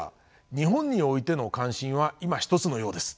日本においての関心はいまひとつのようです。